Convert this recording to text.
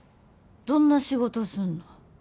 どんな仕事すんの？